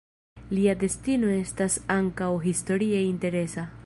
Lia destino estas ankaŭ historie interesa.